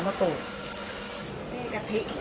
กำลังทำสารพวกมัน